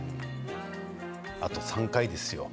あと３回ですよ